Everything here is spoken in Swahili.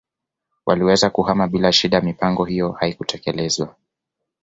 Waliweza kuhama bila shida mipango hiyo haikutekelezwa